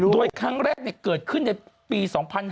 โดยครั้งแรกเกิดขึ้นในปี๒๕๕๙